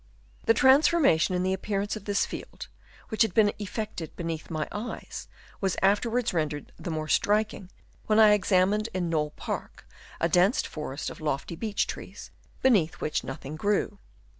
The transformation in the appearance of tliis field, which had been effected beneath my eyes, was afterwards rendered the more striking, when I examined in Knole Park a dense forest of lofty beech trees, beneath which nothing grew.